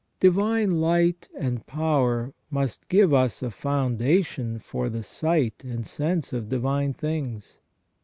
Divine light and power must give us a foundation for the sight and sense of divine things.